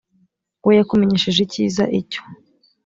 we yakumenyesheje icyiza icyo